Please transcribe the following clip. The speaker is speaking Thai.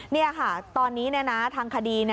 นี่ค่ะตอนนี้ทางคดี